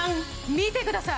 見てください！